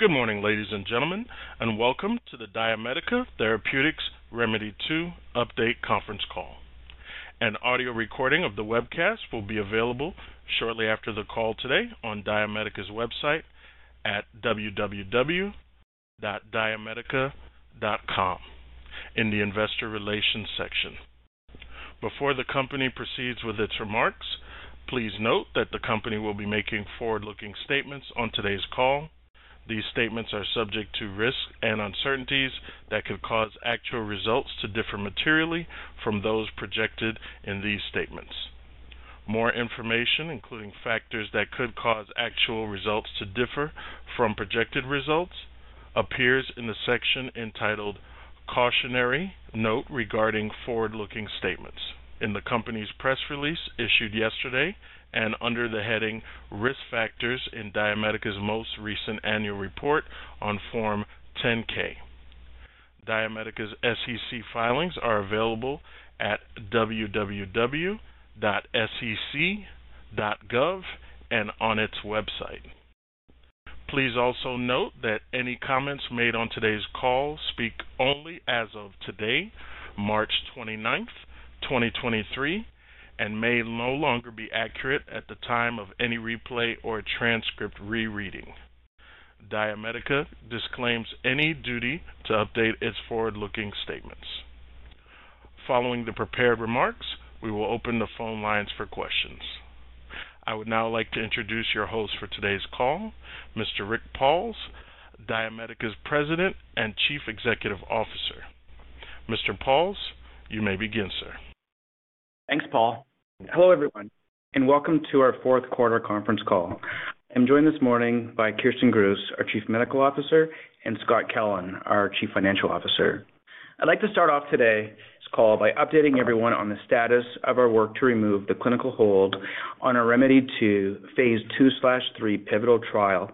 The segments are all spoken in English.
Good morning, ladies and gentlemen, and welcome to the DiaMedica Therapeutics ReMEDy2 Update Conference Call. An audio recording of the webcast will be available shortly after the call today on DiaMedica's website at www.diamedica.com in the Investor Relations section. Before the company proceeds with its remarks, please note that the company will be making forward-looking statements on today's call. These statements are subject to risks and uncertainties that could cause actual results to differ materially from those projected in these statements. More information, including factors that could cause actual results to differ from projected results, appears in the section entitled Cautionary Note Regarding Forward-Looking Statements in the company's press release issued yesterday and under the heading Risk Factors in DiaMedica's most recent annual report on Form 10-K. DiaMedica's SEC filings are available at www.sec.gov and on its website. Please also note that any comments made on today's call speak only as of today, March 29th, 2023, and may no longer be accurate at the time of any replay or transcript rereading. DiaMedica disclaims any duty to update its forward-looking statements. Following the prepared remarks, we will open the phone lines for questions. I would now like to introduce your host for today's call, Mr. Rick Pauls, DiaMedica's President and Chief Executive Officer. Mr. Pauls, you may begin, sir. Thanks, Paul. Hello, everyone, and welcome to our Fourth Quarter Conference Call. I'm joined this morning by Kirsten Gruis, our Chief Medical Officer, and Scott Kellen, our Chief Financial Officer. I'd like to start off today's call by updating everyone on the status of our work to remove the clinical hold on our ReMEDy2 phase II/III pivotal trial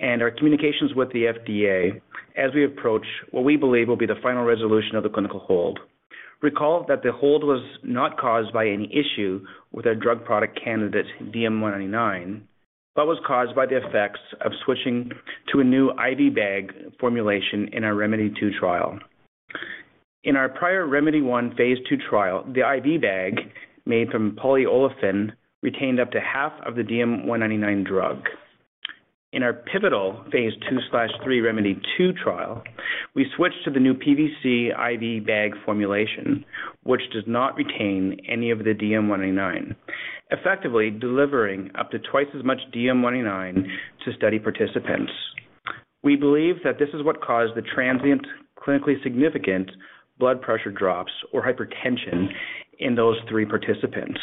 and our communications with the FDA as we approach what we believe will be the final resolution of the clinical hold. Recall that the hold was not caused by any issue with our drug product candidate, DM199, but was caused by the effects of switching to a new IV bag formulation in our ReMEDy2 trial. In our prior ReMEDy1 phase II trial, the IV bag made from polyolefin retained up to half of the DM199 drug. In our pivotal phase II/III ReMEDy2 trial, we switched to the new PVC IV bag formulation, which does not retain any of the DM199, effectively delivering up to twice as much DM199 to study participants. We believe that this is what caused the transient clinically significant blood pressure drops or hypotension in those three participants.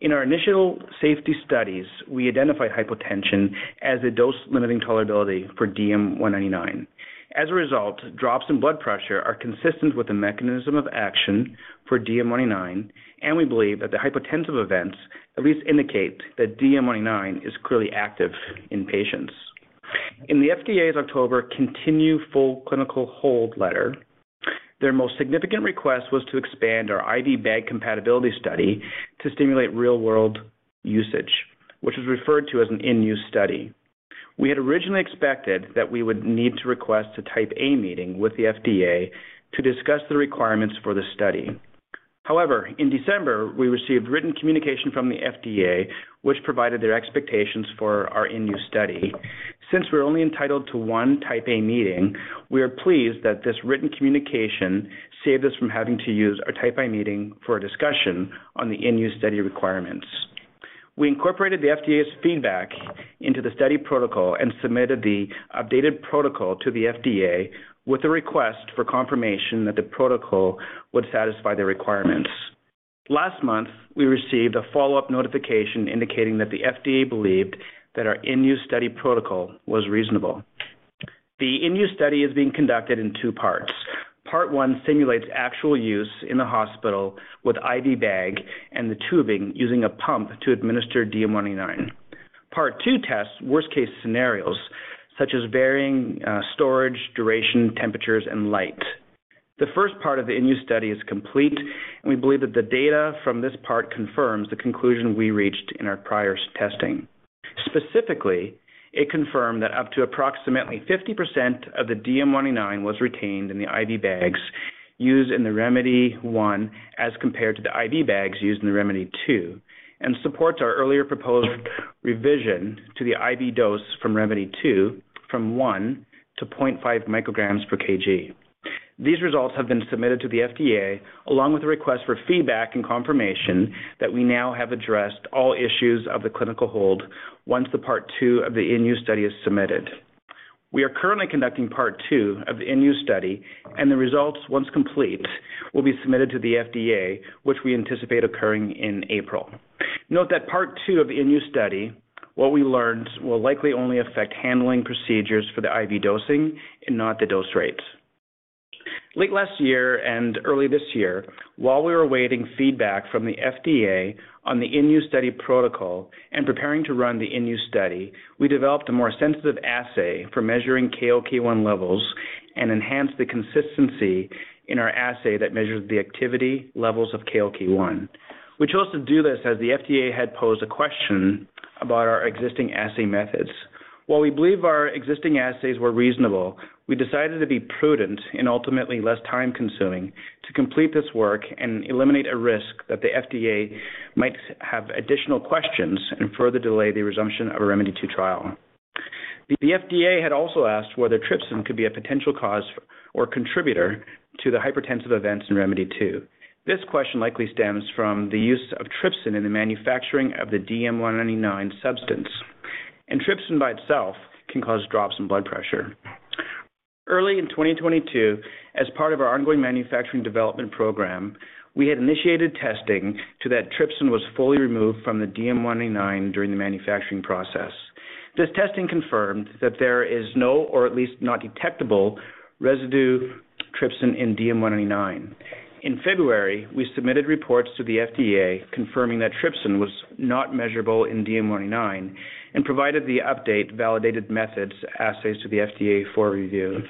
In our initial safety studies, we identified hypotension as a dose-limiting tolerability for DM199. As a result, drops in blood pressure are consistent with the mechanism of action for DM199, and we believe that the hypotensive events at least indicate that DM199 is clearly active in patients. In the FDA's October continue full clinical hold letter, their most significant request was to expand our IV bag compatibility study to stimulate real-world usage, which was referred to as an in-use study. We had originally expected that we would need to request a Type A meeting with the FDA to discuss the requirements for the study. In December, we received written communication from the FDA, which provided their expectations for our in-use study. Since we're only entitled to one Type A meeting, we are pleased that this written communication saved us from having to use our Type A meeting for a discussion on the in-use study requirements. We incorporated the FDA's feedback into the study protocol and submitted the updated protocol to the FDA with a request for confirmation that the protocol would satisfy the requirements. Last month, we received a follow-up notification indicating that the FDA believed that our in-use study protocol was reasonable. The in-use study is being conducted in two parts. Part one simulates actual use in the hospital with IV bag and the tubing using a pump to administer DM199. Part two tests worst-case scenarios such as varying storage, duration, temperatures, and light. The first part of the in-use study is complete. We believe that the data from this part confirms the conclusion we reached in our prior testing. Specifically, it confirmed that up to approximately 50% of the DM199 was retained in the IV bags used in the ReMEDy1 as compared to the IV bags used in the ReMEDy2 and supports our earlier proposed revision to the IV dose from ReMEDy2 from 1-0.5 mcg/kg. These results have been submitted to the FDA along with a request for feedback and confirmation that we now have addressed all issues of the clinical hold once the part two of the in-use study is submitted. We are currently conducting part two of the in-use study and the results, once complete, will be submitted to the FDA, which we anticipate occurring in April. Note that part two of the in-use study, what we learned will likely only affect handling procedures for the IV dosing and not the dose rates. Late last year and early this year, while we were awaiting feedback from the FDA on the in-use study protocol and preparing to run the in-use study, we developed a more sensitive assay for measuring KLK1 levels and enhanced the consistency in our assay that measures the activity levels of KLK1. We chose to do this as the FDA had posed a question about our existing assay methods. While we believe our existing assays were reasonable, we decided to be prudent and ultimately less time-consuming to complete this work and eliminate a risk that the FDA might have additional questions and further delay the resumption of our ReMEDy2 trial. The FDA had also asked whether trypsin could be a potential cause or contributor to the hypertensive events in ReMEDy2. This question likely stems from the use of trypsin in the manufacturing of the DM199 substance. Trypsin by itself can cause drops in blood pressure. Early in 2022, as part of our ongoing manufacturing development program, we had initiated testing to that trypsin was fully removed from the DM199 during the manufacturing process. This testing confirmed that there is no, or at least not detectable residue trypsin in DM199. In February, we submitted reports to the FDA confirming that trypsin was not measurable in DM199 and provided the update validated methods assays to the FDA for review.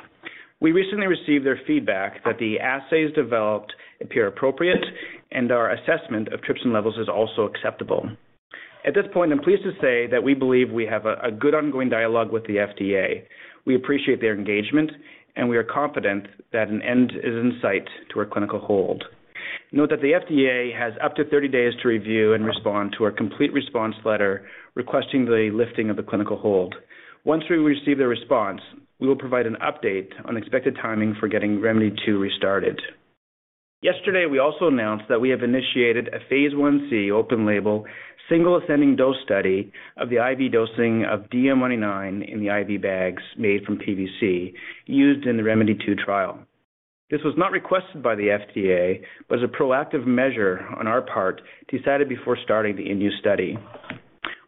We recently received their feedback that the assays developed appear appropriate and our assessment of trypsin levels is also acceptable. At this point, I'm pleased to say that we believe we have a good ongoing dialogue with the FDA. We appreciate their engagement, we are confident that an end is in sight to our clinical hold. Note that the FDA has up to 30 days to review and respond to our Complete Response Letter requesting the lifting of the clinical hold. Once we receive their response, we will provide an update on expected timing for getting ReMEDy2 restarted. Yesterday, we also announced that we have initiated a phase I-C open label, single ascending dose study of the IV dosing of DM199 in the IV bags made from PVC used in the ReMEDy2 trial. This was not requested by the FDA, but is a proactive measure on our part decided before starting the IND study.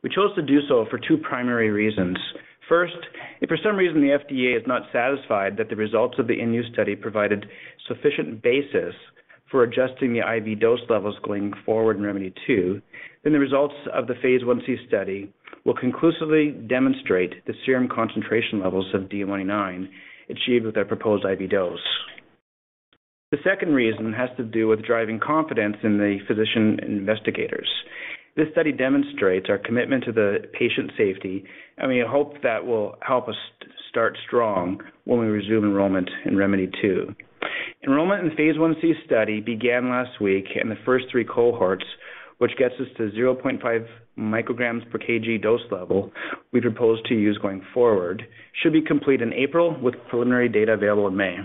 We chose to do so for two primary reasons. First, if for some reason the FDA is not satisfied that the results of the IND study provided sufficient basis for adjusting the IV dose levels going forward in ReMEDy2, then the results of the phase I-C study will conclusively demonstrate the serum concentration levels of DM199 achieved with our proposed IV dose. The second reason has to do with driving confidence in the physician investigators. This study demonstrates our commitment to the patient safety, and we hope that will help us start strong when we resume enrollment in ReMEDy2. Enrollment in phase I-C study began last week in the first three cohorts, which gets us to 0.5 mcg/kg dose level we propose to use going forward, should be complete in April with preliminary data available in May.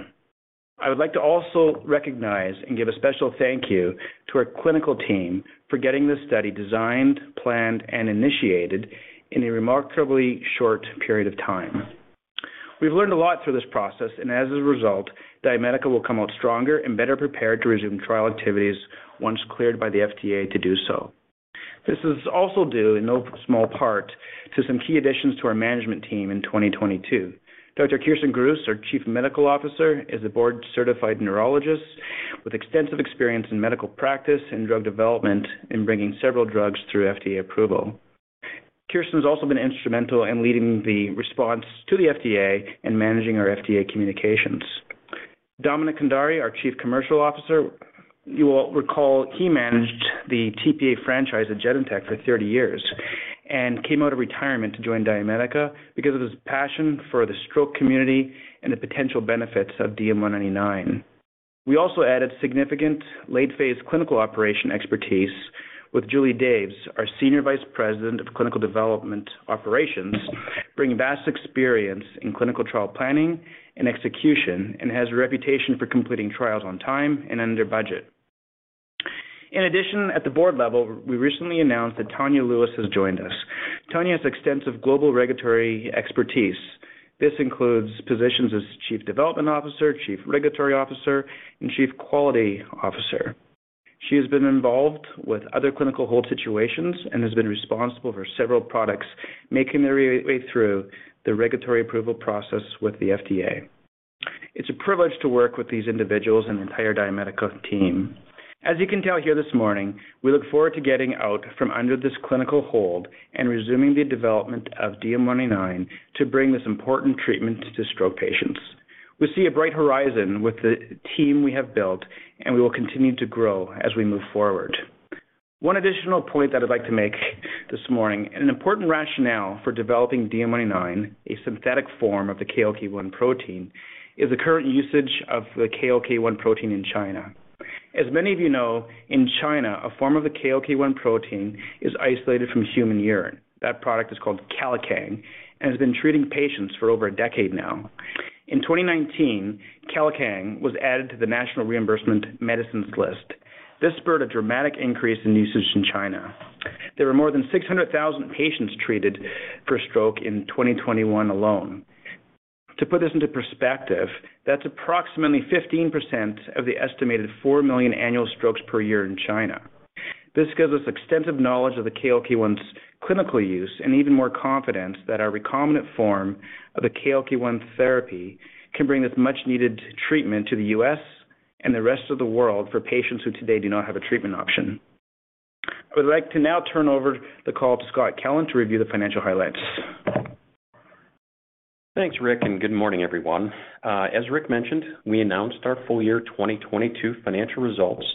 I would like to also recognize and give a special thank you to our clinical team for getting this study designed, planned, and initiated in a remarkably short period of time. We've learned a lot through this process, and as a result, DiaMedica will come out stronger and better prepared to resume trial activities once cleared by the FDA to do so. This is also due in no small part to some key additions to our management team in 2022. Dr. Kirsten Gruis, our Chief Medical Officer, is a board-certified neurologist with extensive experience in medical practice and drug development in bringing several drugs through FDA approval. Kirsten's also been instrumental in leading the response to the FDA and managing our FDA communications. Dominic Cundari, our Chief Commercial Officer, you will recall he managed the tPA franchise at Genentech for 30 years and came out of retirement to join DiaMedica because of his passion for the stroke community and the potential benefits of DM199. We also added significant late phase clinical operation expertise with Julie Daves, our Senior Vice President of Clinical Development Operations, bringing vast experience in clinical trial planning and execution, and has a reputation for completing trials on time and under budget. In addition, at the board level, we recently announced that Tanya Lewis has joined us. Tanya has extensive global regulatory expertise. This includes positions as chief development officer, chief regulatory officer, and chief quality officer. She has been involved with other clinical hold situations and has been responsible for several products making their way through the regulatory approval process with the FDA. It's a privilege to work with these individuals and the entire DiaMedica team. As you can tell here this morning, we look forward to getting out from under this clinical hold and resuming the development of DM199 to bring this important treatment to stroke patients. We see a bright horizon with the team we have built. We will continue to grow as we move forward. One additional point that I'd like to make this morning, an important rationale for developing DM199, a synthetic form of the KLK1 protein, is the current usage of the KLK1 protein in China. As many of you know, in China, a form of the KLK1 protein is isolated from human urine. That product is called Kailikang and has been treating patients for over a decade now. In 2019, Kailikang was added to the National Reimbursement Drug List. This spurred a dramatic increase in usage in China. There were more than 600,000 patients treated for stroke in 2021 alone. To put this into perspective, that's approximately 15% of the estimated four million annual strokes per year in China. This gives us extensive knowledge of the KLK1's clinical use and even more confidence that our recombinant form of the KLK1 therapy can bring this much-needed treatment to the U.S. and the rest of the world for patients who today do not have a treatment option. I would like to now turn over the call to Scott Kellen to review the financial highlights. Thanks, Rick. Good morning, everyone. As Rick mentioned, we announced our full year 2022 financial results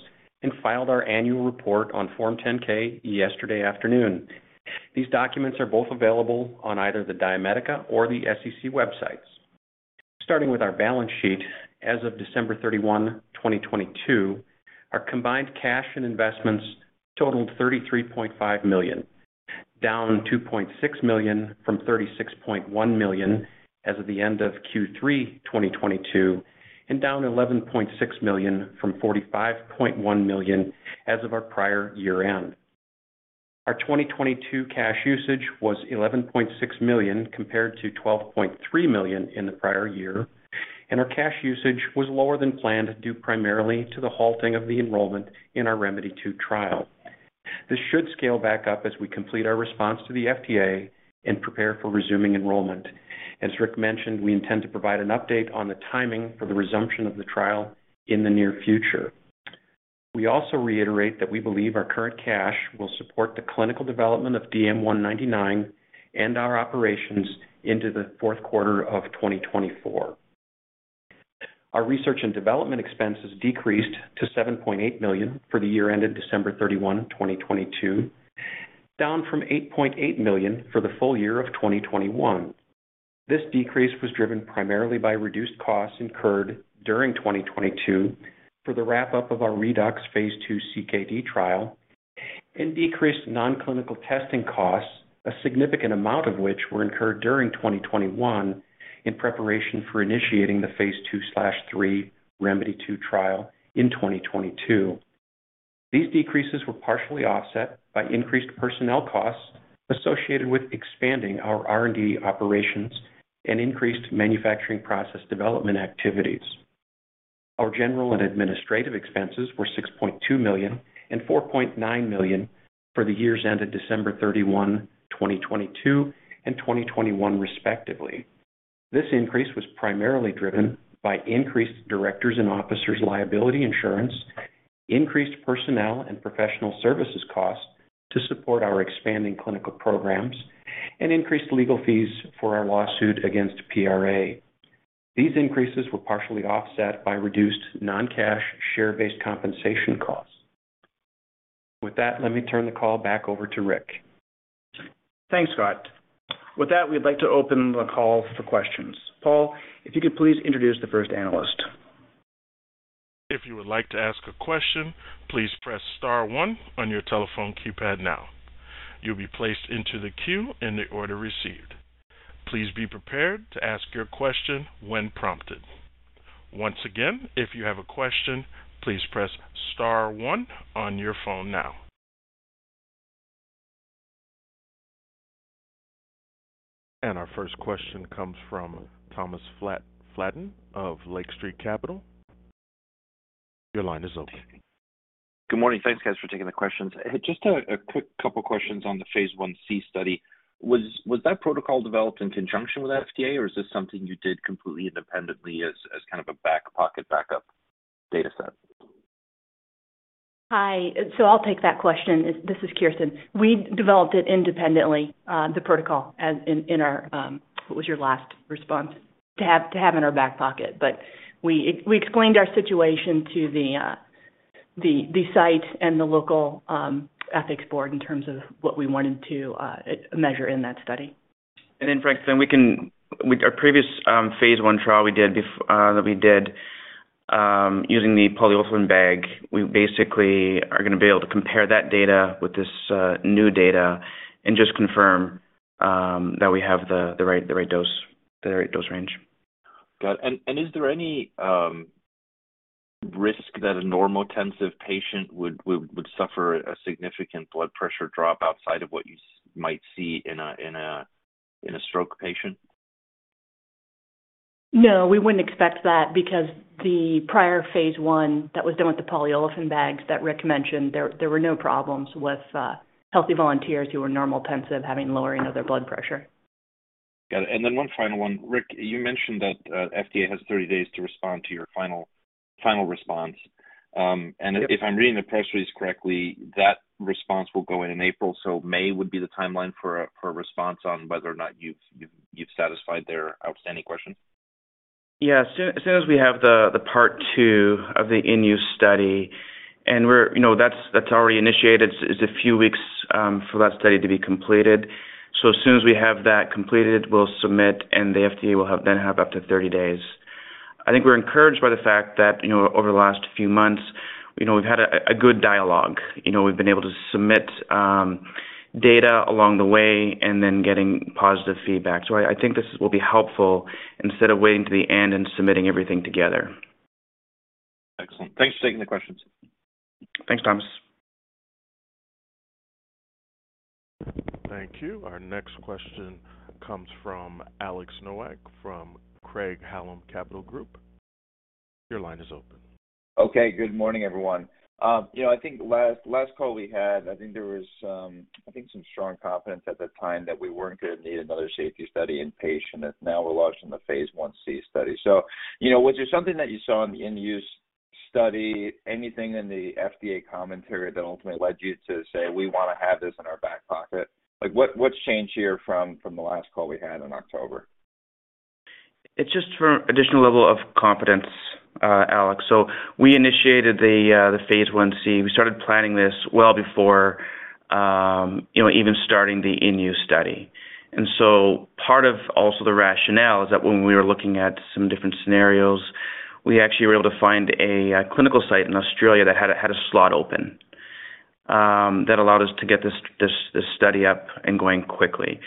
and filed our annual report on Form 10-K yesterday afternoon. These documents are both available on either the DiaMedica or the SEC websites. Starting with our balance sheet, as of December 31, 2022, our combined cash and investments totaled $33.5 million, down $2.6 million from $36.1 million as of the end of Q3 2022, and down $11.6 million from $45.1 million as of our prior year end. Our 2022 cash usage was $11.6 million compared to $12.3 million in the prior year. Our cash usage was lower than planned due primarily to the halting of the enrollment in our ReMEDy2 trial. This should scale back up as we complete our response to the FDA and prepare for resuming enrollment. As Rick Pauls mentioned, we intend to provide an update on the timing for the resumption of the trial in the near future. We also reiterate that we believe our current cash will support the clinical development of DM199 and our operations into Q4 2024. Our research and development expenses decreased to $7.8 million for the year ended December 31, 2022, down from $8.8 million for the full year of 2021. This decrease was driven primarily by reduced costs incurred during 2022 for the wrap-up of our REDUX phase II CKD trial and decreased non-clinical testing costs, a significant amount of which were incurred during 2021 in preparation for initiating the phase II/III ReMEDy2 trial in 2022. These decreases were partially offset by increased personnel costs associated with expanding our R&D operations and increased manufacturing process development activities. Our general and administrative expenses were $6.2 million and $4.9 million for the years ended December 31, 2022 and 2021 respectively. This increase was primarily driven by increased directors and officers liability insurance, increased personnel and professional services costs to support our expanding clinical programs, and increased legal fees for our lawsuit against PRA. These increases were partially offset by reduced non-cash share-based compensation costs. With that, let me turn the call back over to Rick. Thanks, Scott. With that, we'd like to open the call for questions. Paul, if you could please introduce the first analyst. If you would like to ask a question, please press star one on your telephone keypad now. You'll be placed into the queue in the order received. Please be prepared to ask your question when prompted. Once again, if you have a question, please press star one on your phone now. Our first question comes from Thomas Flaten of Lake Street Capital. Your line is open. Good morning. Thanks, guys, for taking the questions. Just a quick couple questions on the phase I-C study. Was that protocol developed in conjunction with FDA or is this something you did completely independently as kind of a back pocket backup data set? Hi. I'll take that question. This is Kirsten. We developed it independently, the protocol as in our... What was your last response? To have in our back pocket. We explained our situation to the site and the local ethics board in terms of what we wanted to measure in that study. Frank, with our previous phase I trial we did, using the polyolefin bag, we basically are gonna be able to compare that data with this new data and just confirm that we have the right dose, the right dose range. Got it. Is there any risk that a normotensive patient would suffer a significant blood pressure drop outside of what you might see in a stroke patient? No, we wouldn't expect that because the prior phase I that was done with the polyolefin bags that Rick mentioned there were no problems with healthy volunteers who were normotensive having lowering of their blood pressure. Got it. One final one. Rick, you mentioned that FDA has 30 days to respond to your final response. Yep. If I'm reading the press release correctly, that response will go in in April. May would be the timeline for a response on whether or not you've satisfied their outstanding questions. Yeah. As soon as we have the part two of the in-use study, and we're, you know, that's already initiated. It's a few weeks for that study to be completed. As soon as we have that completed, we'll submit, and the FDA will then have up to 30 days. I think we're encouraged by the fact that, you know, over the last few months, you know, we've had a good dialogue. You know, we've been able to submit data along the way and then getting positive feedback. I think this will be helpful instead of waiting to the end and submitting everything together. Excellent. Thanks for taking the questions. Thanks, Thomas. Thank you. Our next question comes from Alex Nowak from Craig-Hallum Capital Group. Your line is open. Good morning, everyone. you know, I think last call we had, I think there was, I think some strong confidence at the time that we weren't gonna need another safety study in patient that now we're launching the phase I-C study. you know, was there something that you saw in the in-use Study anything in the FDA commentary that ultimately led you to say, we wanna have this in our back pocket? Like what's changed here from the last call we had in October? It's just for additional level of confidence, Alex. We initiated the phase I-C. We started planning this well before, you know, even starting the in-use study. Part of also the rationale is that when we were looking at some different scenarios, we actually were able to find a clinical site in Australia that had a slot open that allowed us to get this study up and going quickly.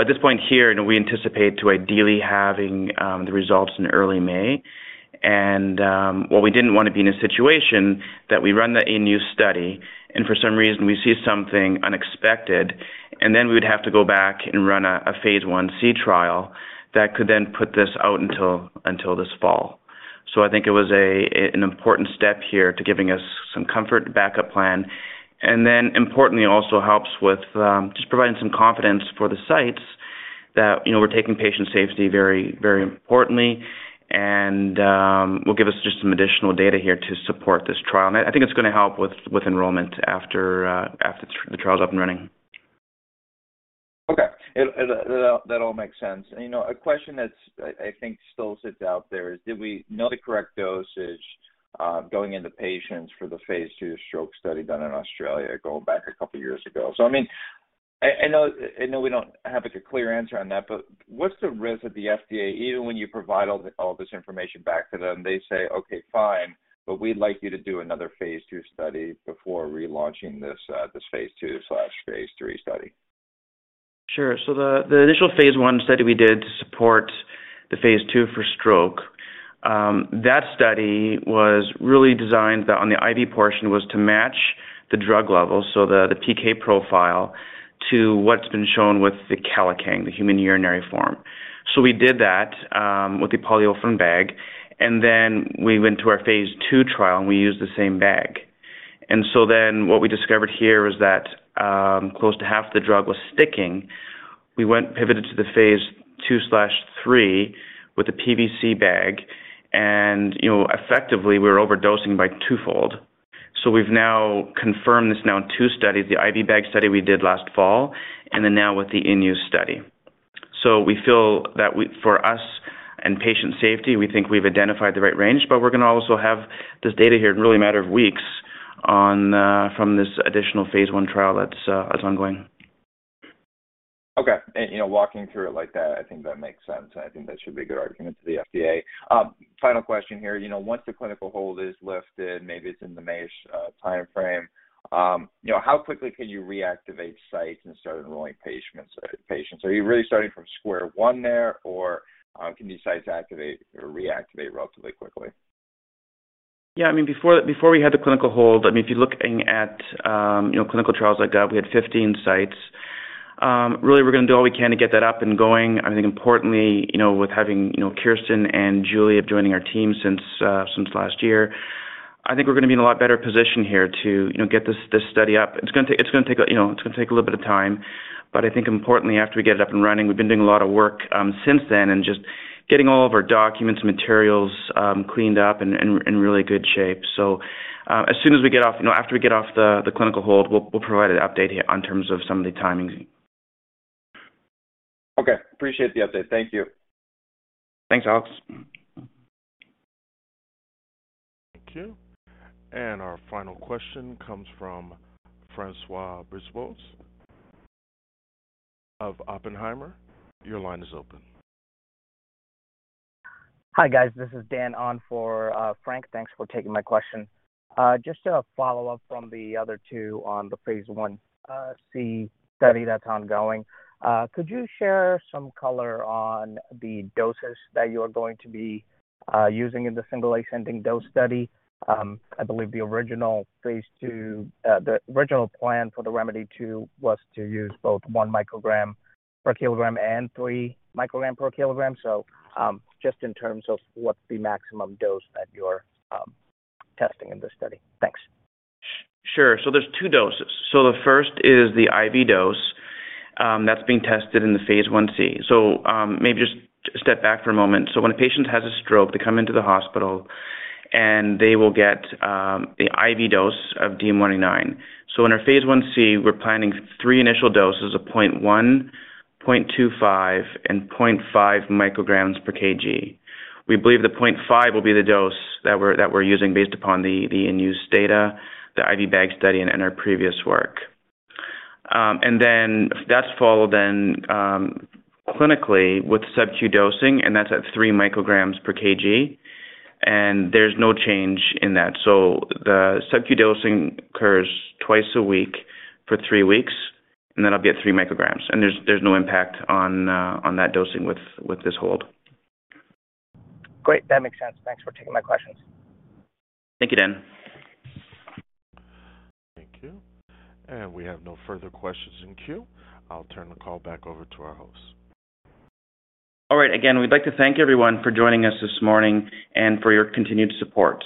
At this point here, we anticipate to ideally having the results in early May. What we didn't wanna be in a situation that we run the in-use study and for some reason we see something unexpected, and then we would have to go back and run a phase I-C trial that could then put this out until this fall. I think it was an important step here to giving us some comfort backup plan. Importantly also helps with just providing some confidence for the sites that, you know, we're taking patient safety very importantly. Will give us just some additional data here to support this trial. I think it's gonna help with enrollment after after the trial's up and running. Okay. That all makes sense. You know, a question that's I think still sits out there is did we know the correct dosage going into patients for the phase II stroke study done in Australia going back a couple years ago? I mean, I know we don't have like a clear answer on that, but what's the risk that the FDA, even when you provide all this information back to them, they say, "Okay, fine, but we'd like you to do another phase II study before relaunching this phase II/phase III study. Sure. The initial phase I study we did to support the phase II for stroke, that study was really designed on the IV portion, was to match the drug levels, so the TK profile to what's been shown with the Kailikang, the human urinary form. We did that with the polyolefin bag, and then we went to our phase II trial, and we used the same bag. What we discovered here was that close to half the drug was sticking. We pivoted to the phase II/III with the PVC bag and, you know, effectively we were overdosing by twofold. We've now confirmed this now in two studies, the IV bag study we did last fall, and then now with the in-use study. We feel that we, for us and patient safety, we think we've identified the right range. We're gonna also have this data here in really a matter of weeks on from this additional phase I trial that's that's ongoing. Okay. You know, walking through it like that, I think that makes sense, and I think that should be a good argument to the FDA. Final question here. You know, once the clinical hold is lifted, maybe it's in the Mayish timeframe, you know, how quickly can you reactivate sites and start enrolling patients? Are you really starting from square one there or can these sites activate or reactivate relatively quickly? I mean, before we had the clinical hold, I mean, if you're looking at, you know, clinical trials like that, we had 15 sites. Really we're gonna do all we can to get that up and going. I think importantly, you know, with having, you know, Kirsten and Julie joining our team since last year, I think we're gonna be in a lot better position here to, you know, get this study up. It's gonna take, you know, a little bit of time, but I think importantly after we get it up and running, we've been doing a lot of work since then and just getting all of our documents and materials cleaned up and in really good shape. As soon as we get off. You know, after we get off the clinical hold, we'll provide an update here on terms of some of the timings. Okay. Appreciate the update. Thank you. Thanks, Alex. Thank you. Our final question comes from François Brisebois of Oppenheimer. Your line is open. Hi guys, this is Dan on for Frank. Thanks for taking my question. Just a follow up from the other two on the phase I-C study that's ongoing. Could you share some color on the doses that you are going to be using in the single ascending dose study? I believe the original phase II, the original plan for the ReMEDy2 was to use both 1 mcg/kg and 3 mcg/kg. Just in terms of what's the maximum dose that you're testing in this study? Thanks. Sure. There's two doses. The first is the IV dose, that's being tested in the phase I-C. Maybe just step back for a moment. When a patient has a stroke, they come into the hospital and they will get the IV dose of DM199. In our phase I-C, we're planning three initial doses of 0.1, 0.25, and 0.5 mcg/kg. We believe the 0.5 will be the dose that we're using based upon the in-use data, the IV bag study, and our previous work. That's followed then clinically with SubQ dosing, and that's at 3 mcg/kg and there's no change in that. The SubQ dosing occurs twice a week for three weeks, and that'll be at 3 mcg. There's no impact on that dosing with this hold. Great. That makes sense. Thanks for taking my questions. Thank you, Dan. Thank you. We have no further questions in queue. I'll turn the call back over to our host. All right. Again, we'd like to thank everyone for joining us this morning and for your continued support.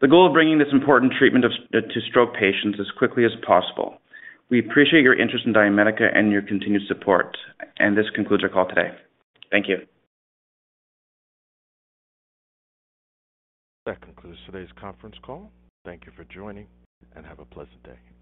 The goal of bringing this important treatment to stroke patients as quickly as possible. We appreciate your interest in DiaMedica and your continued support. This concludes our call today. Thank you. That concludes today's conference call. Thank you for joining, and have a pleasant day.